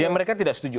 mereka tidak setuju